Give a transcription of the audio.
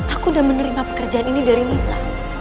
aku udah menerima pekerjaan ini dari misa